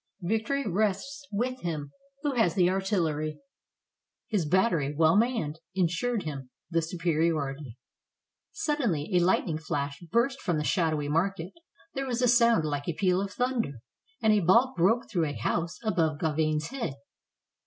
Victory rests with him who has the artillery. His battery, well manned, insured him the superiority. Suddenly a lightning flash burst from the shadowy market; there was a sound like a peal of thunder, and a ball broke through a house above Gauvain's head.